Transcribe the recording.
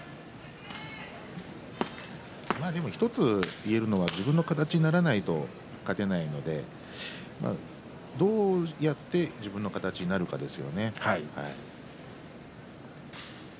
１つ言えるのは自分の形にならないと勝てないのでどうやって自分の形になるかですよね。